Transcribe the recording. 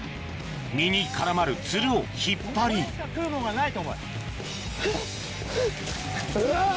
実に絡まるツルを引っ張りふっふっ！